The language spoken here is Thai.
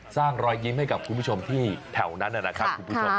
สร้างรอยยิ้มให้กับคุณผู้ชมที่แถวนั้นน่ะนะครับ